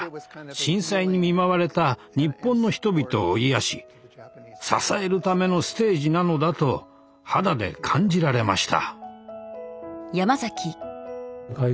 震災に見舞われた日本の人々を癒やし支えるためのステージなのだと肌で感じられました。